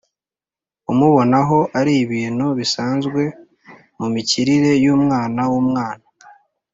Umubonaho ari ibintu bisanzwe mu mikurire y umwana umwana